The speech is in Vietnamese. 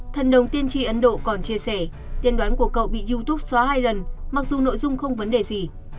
thần đồng tiên tri ấn độ còn chia sẻ tiền đoán của cậu bị youtube xóa hai lần mặc dù nội dung không vấn đề gì